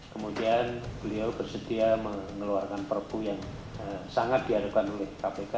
kemudian beliau bersedia mengeluarkan perpu yang sangat diadakan oleh kpk